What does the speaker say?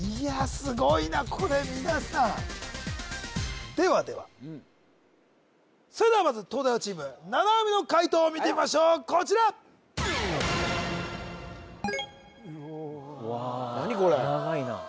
すごいなこれ皆さんではではそれではまず東大王チーム七海の解答を見てみましょうこちらわあ長いな何？